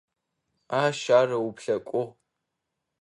Ащ ар ыуплъэкӏугъ.